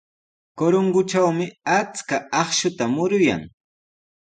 Corongotrawmi achka akshuta muruyan.